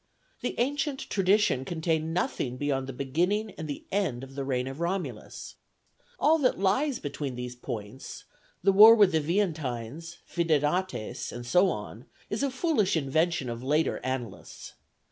The ancient tradition contained nothing beyond the beginning and the end of the reign of Romulus; all that lies between these points, the war with the Veientines, Fidenates, and so on, is a foolish invention of later annalists.